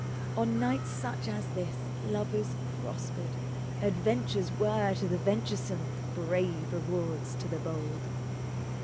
On nights such as this lovers prospered, adventures were to the venturesome, brave rewards to the bold.